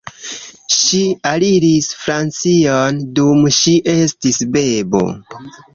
Ŝi aliris Francion dum ŝi estis bebo.